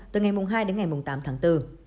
từ ngày hai đến ngày tám tháng bốn